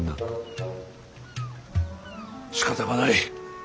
しかたがない。